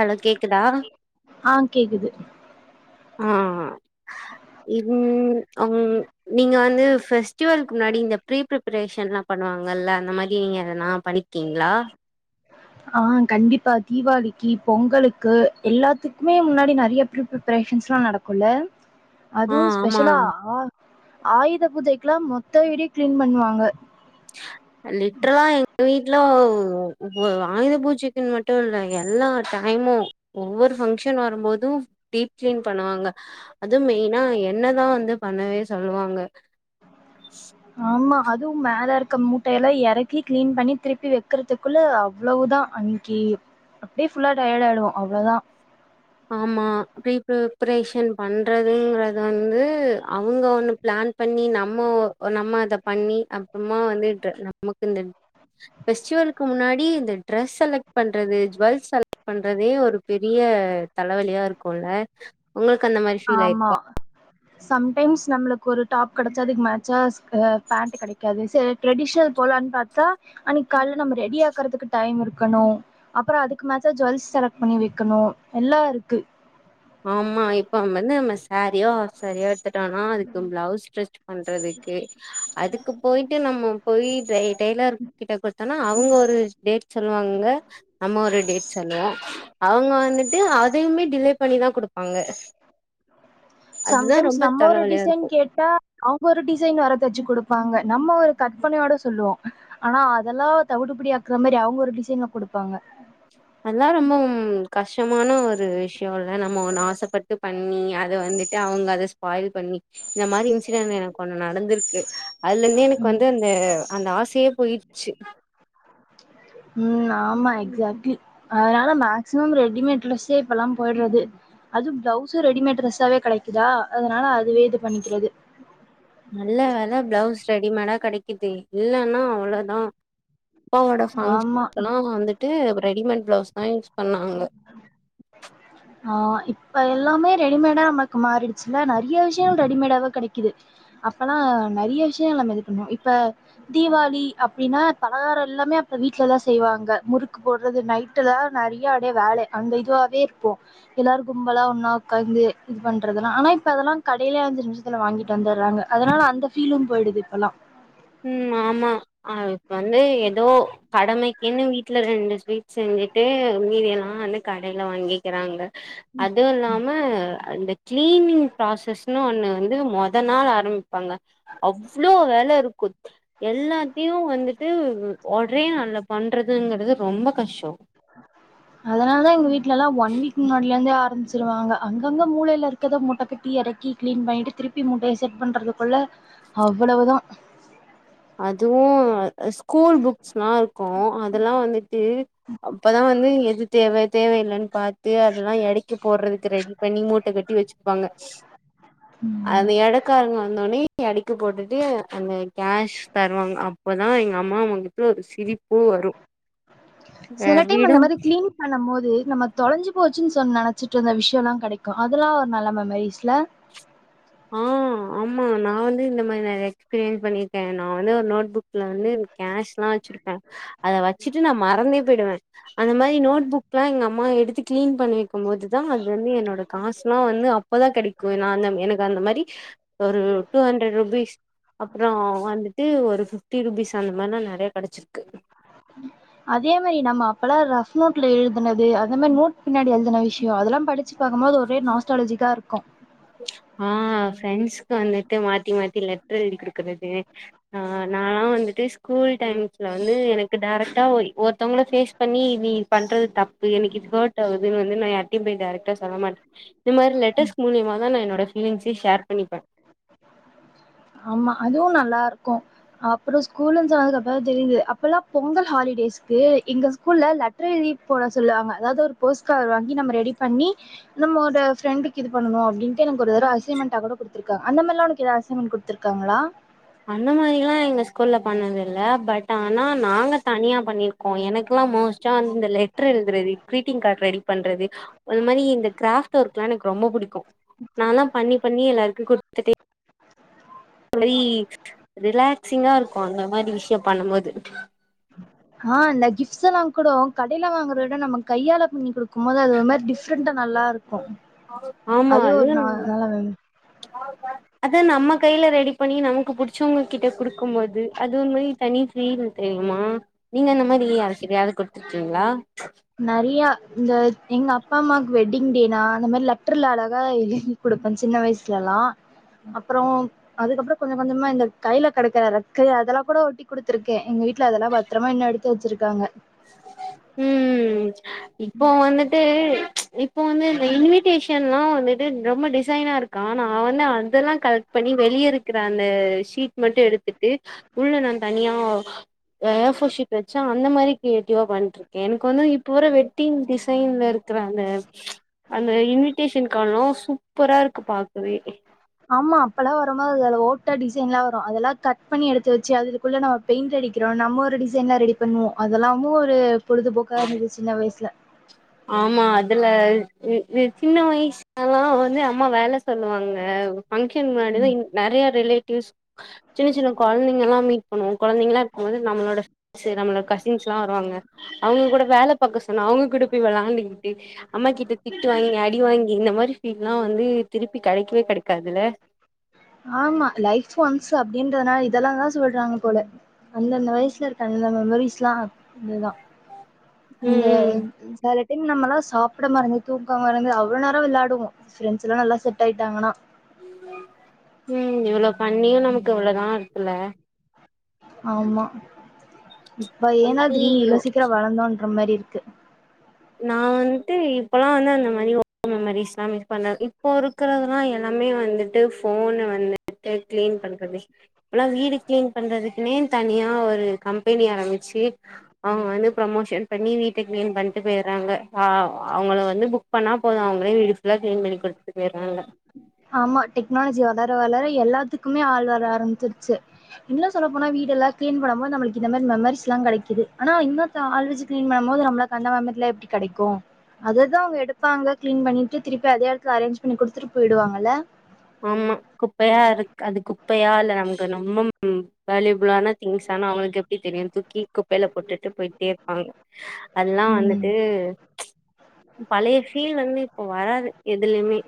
Hello கேக் ஆஹ் கேக்குது ஆஹ் ம் [inaudible] நீங்க வந்து பெஸ்டிவலுக்கு முன்னாடி இந்த ப்ரீ ப்ரரேஷன்லா பண்ணுவாங்கள்ல அந்த மாரி நீங்க எதா பண்ணிருக்கீங்களா ஆஹ் கண்டிப்பா தீவாளிக்கி பொங்கலுக்கு எல்லாத்துக்குமே முன்னாடி நெறைய ப்ரீப்ரேஷன்ஸ் எல்லா நடக்கும்ல ஆ அதுவு ஆமா ஸ்பெஷலா ஆஹ் ஆயுத புஜைக்லா மொத்த வீடையு க்ளீன் பண்ணுவாங்க லிட்ரலா எங்க வீட்ல ஆயுத பூஜைக்குன்னு மட்டு இல்ல எல்லா டைமு ஒவ்வொரு பங்க்ஷன் வருபோது டீப் க்ளீன் பண்ணுவாங்க அது மெயினா என்னதா வந்து பண்ணவே சொல்லுவாங்க ஆமா அது மேல இருக்க மூட்டையெல்லா இறக்கி க்ளீன் பண்ணி திருப்பி வெக்கறதுக்குள்ள அவ்ளோதா அன்னைக்கி அப்டியே ஃபுல்லா டயர்ட் ஆயிடுவோ அவளோதா ஆமா பீ ப்ரேஷன் பண்றதுங்கறத வந்து அவங்க ஒண்ணு பிளான் பண்ணி நம்மோ நம்ம அத பண்ணி அப்றமா வந்து நமக்கு இந்த பெஸ்டிவலுக்கு முன்னாடி இந்த ட்ரெஸ் செலக்ட் பண்றது ஜுவெல்ஸ் செலக்ட் பண்றதே ஒரு பெரிய தலவலியா இருக்குல்ல உங்ளுக்கு அந்த மாரி ஃபீல் ஆமா ஆயிருக்க சம்டைம்ஸ் நம்ளுக்கு ஒரு டாப் கெடச்சா அதுக் மேச்சா பேண்ட் கெடைக்காது சேர் ட்ரெடிஷனல் போலான்னு பாத்தா அன்னைக் கால்ல நம்ம ரெடி ஆக்குறதுக்கு டைம் இருக்கணு அப்புறோ அதுக்கு மேட்சா ஜுவெல்ஸ் செலெக்ட் பண்ணி வைக்கணு எல்லா இருக்கு ஆமா இப்போ வந்து நம்ம சாரியோ ஹாப்ஃ சாரியோ கட்டோனா அதுக்கு பிளவுஸ் ஸ்ட்ரிச் பண்றதுக்கு அதுக்கு போயிட்டு நம் போய் டைலர் கிட்ட குடுத்தோனா அவங்க ஒரு டேட் சொல்லுவாங்க நம்ம ஒரு டேட் சொல்லுவோ அவங்க வந்து [inaudible] அதுமே டிலே பன்னிதா குடுப்பாங்க அதுதா சம்டைம்ஸ் ரொம்ப நம்ம ஒரு தலவலியா டிசைன் இருக்கு கேட்டா அவங்க ஒரு டிசைன் வேர தச்சு குடுப் ப்பங்க நம்ம ஒரு கற்பனையோட சொல்லுவோ ஆனா அதெல்லா தவுடுபிடி ஆக்குற மாரி அவங்க ஒரு டிசைன்ல குடுப்பாங்க அதெல்லாம் ரொம்ப கஷ்டமான ஒரு விஷயம் இல்ல நான் நம்ம ஒன்னு ஆசைப்பட்டு பண்ணி அத வந்துட்டு அவங்க அத ஸ்பாயில் பண்ணி இந்த மாரி இன்சிடென்ட் எனக்கு கொஞ்சம் நடந்திருக்கு அதுல இருந்து எனக்கு வந்து அந்த அந்த ஆச அப்டியே போயிடுச்சு ம் ஆமா எக்சாக்ட்லி அதனால மேக்சிமம் ரெடிமேட் டிரெஸ்ஸே இப்பெல்லாம் போயிடுறது அது பிளவுஸும் ரெடிமேட் ட்ரெஸ்ஸாவே கிடைக்குதா அதனால அதுவே இது பண்ணிக்கிறது நல்ல வேலை பிளவுஸ் ரெடிமேடா கிடைக்குது இல்லைன்னா அவ்ளோதான் அப்பாவோட ஆமா ஃபங்க்ஷன்ல்லாம் வந்துட்டு ரெடிமேட் பிளவுஸ் அதான் யூஸ் பண்ணாங்க ஆ இப்ப எல்லாமே ரெடிமேடா நம்மக்கு மாறிடுச்சுல்ல நேறைய விஷயங்கள் ரெடிமேடாவே கிடைக்குது அப்பெல்லாம் நேறைய விஷயங்கள் நம்ம இது பண்ணோம் இப்ப தீபாவளி அப்படின்னா பலகாரம் எல்லாமே அப்ப வீட்லதான் செய்வாங்க முறுக்கு போடுறது நைட்டு தான் நேறையா அப்டியே வேலை அந்த இதுவாவே இருப்போம் எல்லாரரும் கும்பெலாம் ஒன்னா உட்காந்து இது பண்றதுெல்லாம் ஆனா இப்ப அதெல்லாம் கடையே அஞ்சு நிமிசத்துல வாங்கிட்டு வந்துடுறாங்க அதனால அந்த ஃபீலும் போயிடுது இப்பெல்லாம் ம் ஆமா இ வந்து ஏதோ கடமைக்குன்னு வீட்டுல ரெண்டு ஸ்வீட் செஞ்சுட்டு மீதி எல்லாம் வந்து கடையில வாங்கிக்கிறாங்க அதுவும் இல்லாம அந்த கிளீனிங் ப்ராசஸ்ன்னு ஒன்னு வந்து மொதல் நாள் ஆரம்பிப்பாங்க அவ்ளோ வேலை இருக்கும் எல்லாத்தையும் வந்துட்டு ஒரே நாள்ல பண்றதுங்கறது ரொம்ப கஸ்டோம் அதனால தான் எங்க வீட்லலாம் ஒன் வீக் முன்னாடியில இருந்தே ஆரம்பிச்சிருவாங்க அங்கங்க மூளையில இருக்கிறத மட்ட கட்டி இறக்கி கிளீன் பண்ணிட்டு திருப்பி மூட்டைய செட் பண்றதுக்குள்ள அவ்வளவுதான் அதுவும் ஸ்கூல் புக்ஸ்ல்லாம் இருக்கும் அதெல்லாம் வந்துட்டு அப்பதான் வந்து எது தேவை தேவையில்லனு பார்த்து அதெல்லாம் இடைக்கி போடுறதுக்கு ரெடி பண்ணி மூட்டை கட்டி வச்சுப்பாங்க ம் அது இடக்காரங்க வந்தோன்னே எடைக்கு போட்டுட்டு அந்த கேஷ் தருவாங்க அப்பதான் எங்க அம்மா அவங்ககிட்ட ஒரு சிரிப்பு வரும் சில டைம் அந்த வீடும் மாரி கிளீன் பண்ணும் போது நம்ம தொலைஞ்சு போச்சுன்னு சொன்ன நினைச்சிட்டு இருந்த விஷயம் எல்லாம் கிடைக்கும் அதெல்லாம் ஒரு நல்ல மெமரிஸ்ல ஆ ஆமா நான் வந்து இந்த மாதிரி நான் எக்ஸ்பீரியன்ஸ் பண்ணிருக்கேன் நான் வந்து ஒரு நோட்புக் நோட்புக்கல்லாம் கேஷ் வச்சிருப்பேன் அத வச்சிட்டு நான் மறந்தே போயிடுவேன் அந்த மாரி நோட் புக்லாம் எங்க அம்மா எடுத்து கிளீன் கிளீன் பண்ணி வைக்கும் போது தான் அது வந்து என்னோட காசுலாம் வந்து அப்போதான் கிடைக்கும் எனக்கு அந்த மாரி ஒரு டுஹன்ட்ரட் ருபீஸ் அப்றோம் வந்துட்டு ஒரு ஃபிப்டி ருபீஸ் அந்த மாரி தான் நேறைய கிடைச்சிருக்கு அதே மாரி நம்ம அப்பெல்லாம் ரஃப் நோட்ல எழுதுனது அந்த மாரி நோட் பின்னாடி எழுதின விஷயம் அதெல்லாம் படி படிச்சுபாக்கும்போது ஒரே நஸ்டாலஜிாக்கா கொ ஆ ஃபிரண்ட்ஸ் வந்துட்டுமாத்தி மாத்தி லெட்டர் எழுதி கொடுக்கறது ஆ நாலாம் வந்துட்டு ஸ்கூல் டைம்ஸ்ல வந்து எனக்கு ட்ரக்டா ஒருத்தவங்கள பேஸ் பண்ணி நீ பண்றது தப்பு எனிக்கு ஹாட் ஆகுதுன்னு வந்து நா யார் யிபே டைரெக்டா சொல்ல மாட்ட இந்த மாதிரி லெட்டர்ஸ் மூலியாமா வேனா என்னோட பீலிங்ஸ்சே ஷேர் பண்ணி ப நல்லாருக்கோ அப்புறோ ஸ்கூலோ சேர்ந்ததுக்கு அப்புறம்தா தெரியுது அப்பல்லாம் பொங்கல் ஹாலிடேஸ்க்கு எங்க ஸ்கூல்ல லெட்டர் எழுதி போட சொல்லுவாங்க அதாவது ஒரு போஸ்ட் கார்டு வாங்கி நம்ம ரெடி பண்ணி நம்ம ஒரு ஃப்ரெண்டுக்கு இது பண்ணனோ அப்படின்ட்டு எனக்கு ஒரு தடவ அசைன்மென்ட் ஆாக கூட குடுத்தருக்காங்க அந்த மரல்லா உனக்கு ஏதாவது அசைன்மெண்ட் குடுருக்காங்களா அந்த மாரில்லா இங்கஸ் குள்ள பண்ணது இல்ல பட் ஆ ஆனா நாங்க தனியா பண்ணிருக்கோ எனக்குல்லா மோஸ்ட்டா அந்த லெட்ர் எழுதுறது கிரீட்டிங் கார்டு ரெடி பண்றது அது மாரி இந்த கிராப்ட் ஒர்க் எல்லாம் எனக்கு ரொம்ப பிடிக்கோ நால்லாம் பண்ணி பண்ணி எல்லாருக்கோ குடுத்துட்டே ரி ரிலாக்சிங்கா இருக்கோ அந்த மாதிரி விஷயம் பண்ணும்போது ஆஹ் இந்த கிஃப்ஸ்ல்லா கூடோ கடையில வாங்கறத விட நம்ம கையால பண்ணி குடுக்கும் போது அது ஒரு மாரி டிஃப்ரெண்டா நல்லா இருக் க்கோ அது ஒரு நா நல்லாதா அதா நம்ம கையில ரெடி பண்ணி நமக்கு புடிச்சவங்க கிட்ட குடுக்கோ போது அது ஒரு மாதிரி தனி ஃபீலு தெரியுமா நீங்க அந்த மாதிரி யார்கிட்டயாது கோ டுத்து இருக்கீங்களா நெறைய இந்த எங்க அப்பா அம்மாவுக்கு வெட்டிங் டேனா அந்த மாரி லெட்டர்ல அழகா எழுதி குடுப்ப சின்ன வயசு லா அப்பறோ அதுக்கப்புறம் கொஞ்சம் கொஞ்சமா இந்த கையில கேடக்கிற ரக்கைய அதெல்லா கூட ஒட்டி குடுத்துருக்கே எங்க வீட்டுல அதெல்லாம் பத்திரமா இன்னோ எடுத்து வச்சிருக்காங்க உம் உம் இப்போ வந்துட்டு இப்ப வந்து இன்விடேஷன்லா விடு நம்ம டிசைனா இருக்கா ஆனா அவதா அதல்லாம் கரெக்ட் பண்ணி வெளியில இருக்கிற அந்த சீட் மட்டும் எடுத்துட்டு உள்ள நா தனியா ஏ போர் சீட் வச்சு அந்த மாரி கியேட்டிவா பண்ணருக்கே எனக்கு ஒன்னோ இப் போர வெட்டிங் டிசைன்ல இருக்கிற அந்த அந்த இன்விடேஷன் காணோ சூப்பரா இருக்கு பாகவே ஆமா அப்பெல்லா ரோம்ம அதல ஓட்டா டிசைன்ல்ல வரும் அதெல்லாம் கட் பண்ணி எடுத்து வச்சு அதுக்குள்ள நா பெயிண்ட் அடிக்கிறோ நம்ம ஒரு டிசைன்லா ரெடி பண்ணுவோம் அதெல்லாமு ஒரு பொழுதுபோக்கா இருந்தது சின்ன வயிசில ஆமா அதுல வித் த் சின்ன வயசுல்லா வந்து அம்மா வேல சொல்லுவாங்க பங்க்ஷன் மாரித நெறைய ரிலே டியூஸ் சின்ன சின்ன குழந்தைங்கல்லா மீட் பண்ணுவோம் குழந்தைங்களா இருக்கும்போது நம்மளோட சேர் நம்மளோட கசின்ஸ்ல்லா வருவாங்க அவங்க கூட வேல பாக்க சொன்னா அவங்க கூடக் ரமிட்டு அம்மா கிட்ட திட்டு வாங்கி அடி வாங்கி இந்த மாதிரி ஃபில்லா வந்து திருப்பி கிடைக்கவே கிடைக்காதுல ஆமா லைப் ஒன்ஸ் அப்படின்றதுனால இதெல்லா தான் சொல்றாங்க போல அந்தந்த வயசுல இருக்க அந்த மெமரிஸ்ல்லாம் இதுதான் இந்த ம் ம் சரட் தின் நமல்லா சாப்பட மறந்து தூக்க மறந்து அவளோ நேரோ விளாயாடுவோம் ஃப்ரெ்ஸ்ல்லாம் நல்லா செட் ஆயிட்டாங்கன்னா உம் இவளோப் கண்ணியும் நமக்கு இவ்வளவுதான் இருக்கல ஆமா இப்ப ஏன்னா திரீனு இவளோ சீிரம்ளர்ந்தோன்ற மாதிரி இரு இருக்கு நான் வந்துட்டு இப்பல்லாம் வந்து அந்த மாதிரிெமஸ்ாம் பண்றன் இப்போ இருக்கல்லாம் எல்லாமே வந்துட்டு போன் வந்துட்டு கிளீன் பண்றது இப்பல்லாம் வீடு கிளீன் பண்றதுக்குன்னே தனியா ஒரு கம்பெனி ஆரம்பிச்சு அவங்க வந்து ப்ரமோஷன் பண்ணி வீட்டை கிளீன் பண் போயடுறாங்க அவங்கள வந்து புக் பண்ணா போதும் அவங்கள ல்ல கிளீன் பண்ணி கொடுத்துட்டு வேறான்ல வள எல்லாத்துக்குமே வர ஆச்ச கிடை கிடைா இப்ப அதே இடத்துல அரேஞ் பண்ணிடுத்துட்டு போயிடுால்ல ஆமா குப்பையா இரு அது குப்பையா இல்ல நமக்கு ரொம்ப வேலயூ த் அவளுக்கு எப்பனு தூக்கி குப்பையில போட்டுட்டு போயிட்டே இருப்பாங்க அதல்லாம் ம் வந்துட்டு பழையீல் வந்து ஓ வராது எதுலயுமே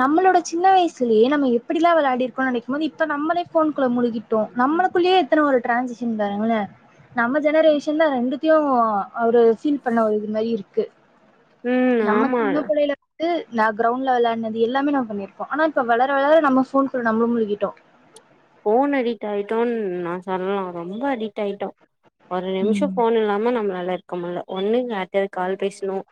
நம்மளோட சின்ன வயசுலேயே நம்ம எப்படிலாம் விளையாடி இருக்கோம்னு நினைக்கும் போோது இப்ப நம்மளே போனுக்குள்ள முழுகிட்டோம் நம்மளுக்குள்ளயே எத்தனை ஒரு ட்ிரான்சாகஷன் வறங்கள நம்ம ஜெனரேஷன் தான் ரெண்டுத்தையும் அவரு ஃபீல் பண்ண ஒரு இது மாதிரி இருக்கு உம் ஆமா ந கிரௌண்ட் லெவல ஆனது எல்லாமே நம்மண்ணிருப்போம் ஆனா இப்ப வளர வளர நம்ம போன் கூட நம்மளும் முழுக்கோும் போன் அடிக்ட் ஆயிட்டோன்னு நான் சொல்லலாம் ரொம்ப அடிக்ட் ஆயிட்டோம் ஒரு ம் நிமிஷம் போன் இல்லாம நம்ம நல்லா இருக்கு ஒன்னு யாராவது கால் பேசணும்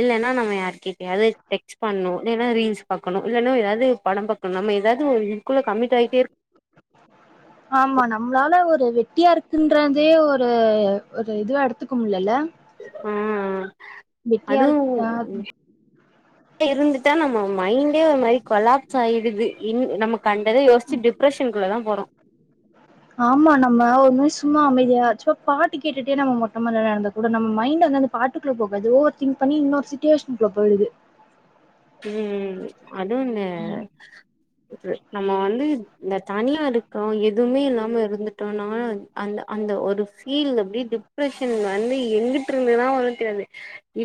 இல்லைன்னா நம்ம யாருாவது டெக்்ட பண்ணும் இல்லைன்னா ரீல்ஸ் பா்கணும் இலைன்னா ஏதாவது படம்ார்கணும் நம்ம ஏதாவது இக்குள்ள கமி் ஆகிட்டே இருக்கும் ஆமா நம்மளால ஒரு வெட்டியா இருக்குன்றதே ஒரு ஒரு இதுவ எடுத்துக்கும்லல ஆஹ் அதுவும் இருக்கு அஹ் உ இருந்துட்டா நம்ம மைண்டே ஒரு மாதிரி கொலாப்ஸ் ஆயிடுது இ நமக்கு கண்டத யசிச்சு டிப்ரஷனுக்குள்ள தான் போறோம் ஆமா நம்ம ஒரு நுய சும்மா அமைதியா சும்ுவா பாட்டு கேட்டுட்டே நம்ம மொட்டம நடந்த கூட நம்ம மைண்ட் வந்து அந்த பாட்டுக்குள்ள போகாது ஓவர் திங்க் பண்ணி இன்னொரு சிச்சுவேஷனுக்குள்ள போயிடுது உம் அதுவும்ந்த ம். நம்ம வந்து இந்த தனியா இருக்கோம் எதுவுமே இல்லாம இருந்துட்டோம்னா அந்த அந்த ஒரு ஃபீல் அப்படி டிப்ரெஷன் வந்து எங்கட்டு இருந்துதான் வ தெரியாது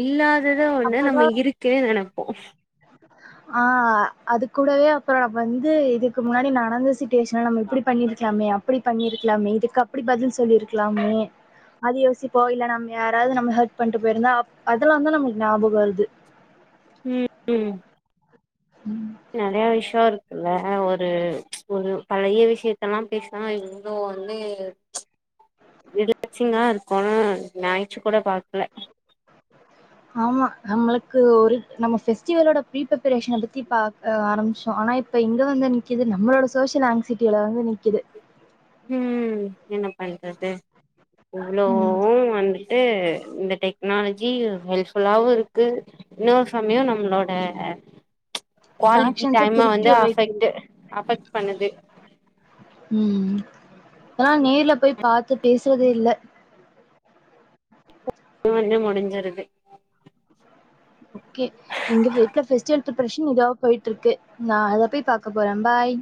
இல்லாதத ஒண்ணு நம்ம இருக்குன்னே நினைப்போம் ஆஹ் அது கூூடவே அப்புறம் நம்ம வந்து இதுக்கு முன்னாடி நடந்துச்ச நம்மப்படி பண்ணிருக்கலாமே அப்படி பண்ணிருக்கலாமே இதுக்காக அப்படி பதில் சொல்லிருக்கலாமே அது யோசிப்போ இல்ல நம்ம யாராவது நம்ம ஹெ்ட் பண்ணிட்டு போயிருந்தா அதெலாம் வந்துான் நம்மக்கு ஞாபகம் வருது ம் ம் ம் நெறைய விஷயம் இருக்கு இல்ல ஒரு ஒரு பழைய விஷயத்தல்லாம் பேசா இவ்ன்னும் வந்து ரிலாக்சிங்கா இருக்கனு ஞாயிச்சு கூட பாக்கல ஆமா நம்மளுக்கு ஒரு நம்ம பெஸ்டிவலோட ப்ரி பீப்ரேஷன் பத்தி ஆரம்பிச்சோம் ஆனா இப்ப இங்க வந்து நிக்குது நம்மளோட சோசியல் ஆங்க்சிட்டியில வந்து நிக்குது ம் என்ன பண்றது ம் [unintelligible] வன்றி ட்டு இந்த டெக்னாலஜி ஹெல்ப்ஃபுல்லாவு இருக்கு இன்னொரு சமயம் நம்மளோட குவாலிட்டி கனெக்ஷன்ஸ டைமா பிரிச்சு வந்து வைக்குது அஃபெக்ட் அஃபெக்ட் பண்ணது ம் ஏனா நேர்ல போய் பார்த்து பேசுறதே இல்ல ன்ன முடிஞ்சருது ஓகே எங்க வீட்ல பெஸ்டிவல் பிரேபரேஷன் இதாவா போயிட்டு இருக்கு நான் அத போய் பாக்க போறேன் பாய்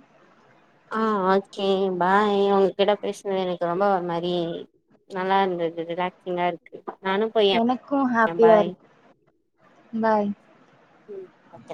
ஆ ஓகே பாய் உங்ககிட்ட பேசுினது எனக்கு ரொம்ப மாரி நல்லா இருந்தது ரிலாக்சிங்கா இருக்கு நானு போய் எனக்கும் ஹாப்பியா பாய் இருக்கு பாய் ம் ஓகே